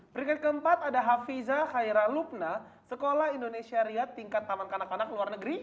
peringkat keempat ada hafizah khaira lupna sekolah indonesia riyad tingkat taman kanak kanak luar negeri